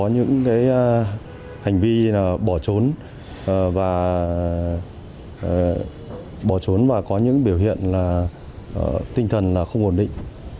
những hành vi bỏ trốn và có những biểu hiện tinh thần không ổn định